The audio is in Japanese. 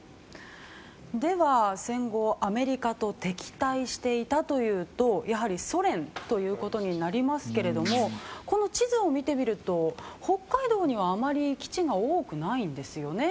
では、戦後アメリカと敵対していたというとやはり、ソ連ということになりますけれどもこの地図を見てみると北海道にはあまり基地が多くないですよね。